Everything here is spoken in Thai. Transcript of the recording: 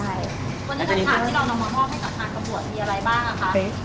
วันนี้คำถามที่เรานำมามอบให้กับทางตำรวจมีอะไรบ้างคะ